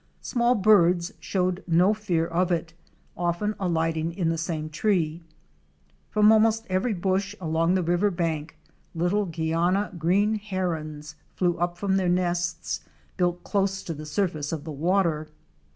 Small birds showed no fear of it, often alighting in the same tree.. From almost every bush along the river bank little Guiana Green Herons * flew up from their nests, built close to the surface of the water.